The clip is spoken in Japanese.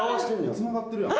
つながってるやん。